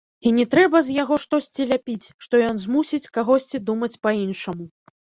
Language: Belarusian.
І не трэба з яго штосьці ляпіць, што ён змусіць кагосьці думаць па-іншаму.